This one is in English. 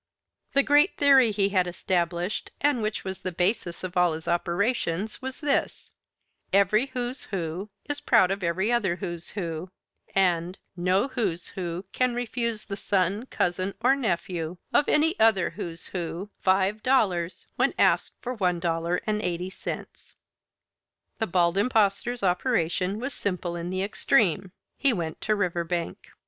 The great theory he had established and which was the basis of all his operations was this: "Every Who's Who is proud of every other Who's Who," and "No Who's Who can refuse the son, cousin, or nephew of any other Who's Who five dollars when asked for one dollar and eighty cents." The Bald Impostor's operation was simple in the extreme. He went to Riverbank.